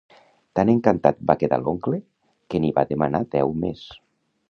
Tan encantat va quedar l'oncle que n'hi va demanar deu més.